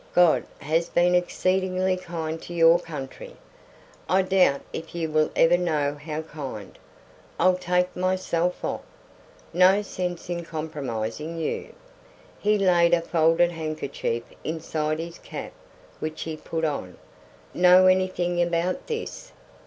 "God has been exceedingly kind to your country. I doubt if you will ever know how kind. I'll take myself off. No sense in compromising you." He laid a folded handkerchief inside his cap which he put on. "Know anything about this?"